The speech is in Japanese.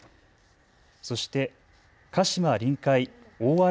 そして鹿島臨海